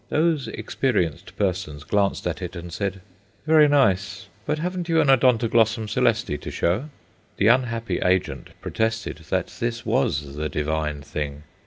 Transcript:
Those experienced persons glanced at it and said, "Very nice, but haven't you an Odontoglossum coeleste to show?" The unhappy agent protested that this was the divine thing.